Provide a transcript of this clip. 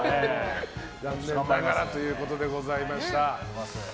残念ながらということでございました。